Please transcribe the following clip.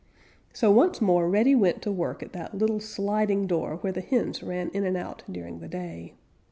So once more Reddy went to work at that little sliding door where the hens ran in and out during the day.